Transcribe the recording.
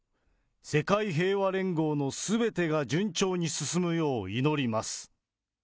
世界平和連合のすべてが順調に進むよう祈ります。